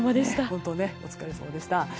お疲れさまでした。